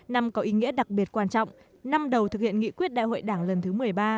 năm có ý nghĩa đặc biệt quan trọng năm đầu thực hiện nghị quyết đại hội đảng lần thứ một mươi ba